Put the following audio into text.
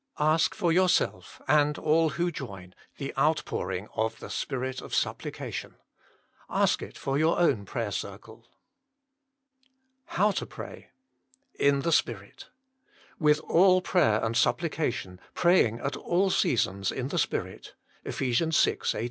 Ask for yourself, and all wlio join, the outpouring of the Spirit of Supplication. Ask it for your own prayer circle. now TO PRAT. In tlje Spirit "With all prayer and supplication, praying at all seasons in tl e Spirit." EPH. vi. 18.